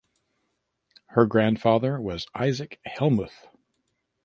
Her grandfather was Isaac Hellmuth.